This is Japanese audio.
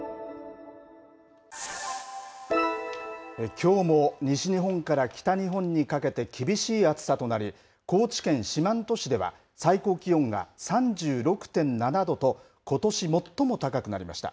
きょうも西日本から北日本にかけて厳しい暑さとなり高知県四万十市では最高気温が３６．７度とことし最も高くなりました。